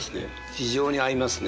非常に合いますね